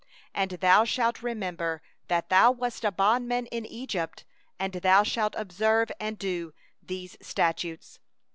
12And thou shalt remember that thou wast a bondman in Egypt; and thou shalt observe and do these statutes.